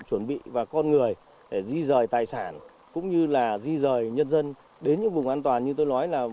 chuẩn bị và con người để di rời tài sản cũng như là di rời nhân dân đến những vùng an toàn như tôi nói là